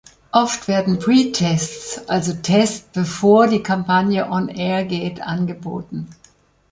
Oft werden Pre-Tests, also Test "bevor" die Kampagne „on air“ geht, angeboten.